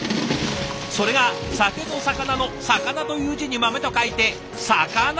それが酒と肴の「肴」という字に「豆」と書いて肴豆。